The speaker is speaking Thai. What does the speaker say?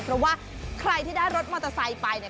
เพราะว่าใครที่ได้รถมอเตอร์ไซค์ไปเนี่ย